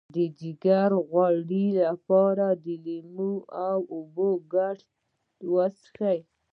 د ځیګر د غوړ لپاره د لیمو او اوبو ګډول وڅښئ